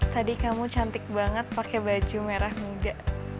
tadi kamu cantik banget pakai baju merah muda